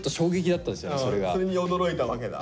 それに驚いたわけだ。